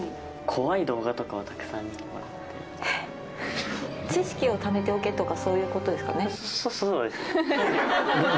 怖い動画とかをたくさん見て知識をためておけとかそういそ、そうですね。